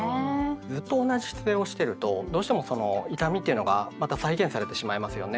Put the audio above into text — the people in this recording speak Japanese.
ずっと同じ姿勢をしてるとどうしてもその痛みっていうのがまた再現されてしまいますよね。